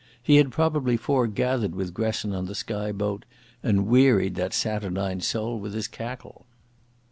He had probably foregathered with Gresson on the Skye boat, and wearied that saturnine soul with his cackle.